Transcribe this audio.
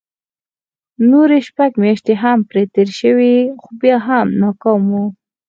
نورې شپږ مياشتې هم پرې تېرې شوې خو بيا هم ناکام وو.